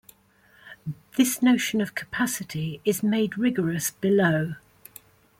This notion of capacity is made rigorous below.